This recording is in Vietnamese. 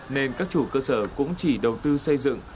nên các chủ cơ sở cũng chỉ đầu tư xây dựng